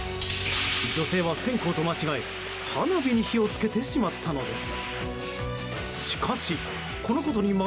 女性は線香と間違え、花火に火を付けてしまったのです。